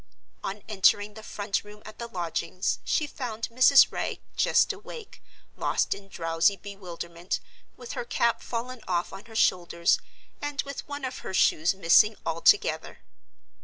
On entering the front room at the lodgings she found Mrs. Wragge just awake, lost in drowsy bewilderment, with her cap fallen off on her shoulders, and with one of her shoes missing altogether.